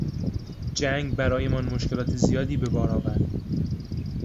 جنگ برایمان مشکلات زیادی به بار آورد.